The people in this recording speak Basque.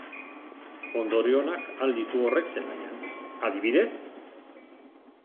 Ondorio onak al ditu horrek zelaian, adibidez?